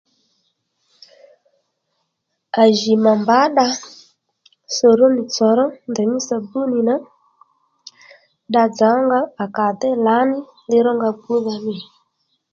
À jì mà mbǎ dda sorónì tsòw ró ndèymí sabunì na dda dzà ó nga à jì à déy lǎní li ró nga gbú dha mî